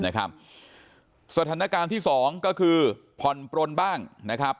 สถานการณ์ที่สองก็คือผ่อนปลนบ้างนะครับ